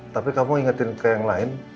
tapi kamu ingetin ke yang lain